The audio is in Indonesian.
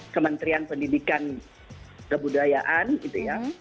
kementerian pendidikan kebudayaan gitu ya